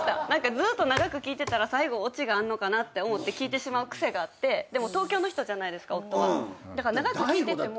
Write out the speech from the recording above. ずっと長く聞いてたら最後オチがあんのかなって思って聞いてしまう癖があってでも東京の人じゃないですか夫がだから長く聞いてても。